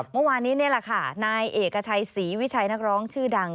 เมื่อวานนี้นี่แหละค่ะนายเอกชัยศรีวิชัยนักร้องชื่อดัง